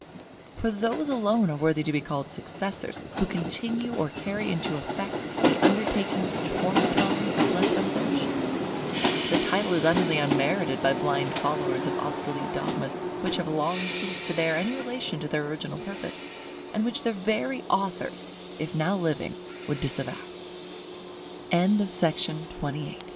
For those alone are worthy to be called successors, who continue or carry into effect the undertakings which former times have left unfinished; the title is utterly unmerited by blind followers of obsolete dogmas, which have long ceased to bear any relation to their original purpose, and which their very aut